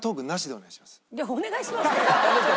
「お願いします」って。